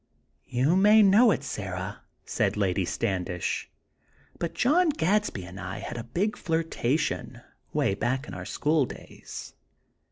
"You may not know it, Sarah," said Lady Standish, "but John Gadsby and I had a big flirtation, way back in our school days.